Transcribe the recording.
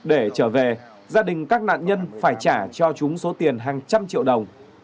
để trở về gia đình các nạn nhân phải trả cho chúng số tiền hàng trăm triệu đồng